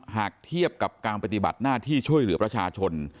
หากเทียบกับการปฏิบัติหน้าที่ช่วยเหลือประชาชน